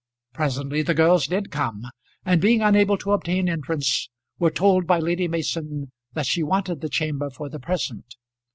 Presently the girls did come, and being unable to obtain entrance were told by Lady Mason that she wanted the chamber for the present.